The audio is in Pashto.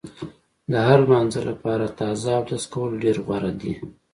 د هر مانځه لپاره تازه اودس کول ډېر غوره دي.